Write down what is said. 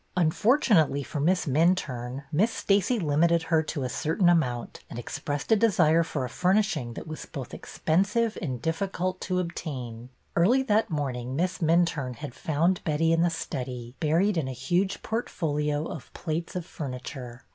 Unfortunately for Miss Min turne, Miss Stacey limited her to a certain amount, and expressed a desire for a furnishing that was both expensive and difficult to obtain. Early that morning Miss Minturne had found Betty in the study, buried in a huge portfolio of plates of furniture.